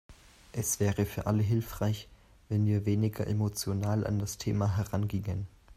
Es wäre für alle hilfreich, wenn wir weniger emotional an das Thema herangingen.